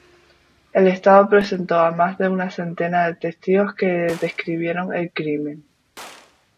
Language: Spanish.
El estado presentó a más de un centenar de testigos que describieron el crimen.